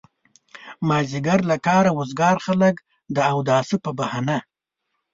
مازيګر له کاره وزګار خلک د اوداسه په بهانه.